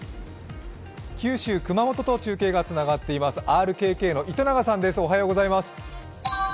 九州・熊本と中継がつながっています、ＲＫＫの糸永さん。